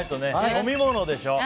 飲み物でしょ。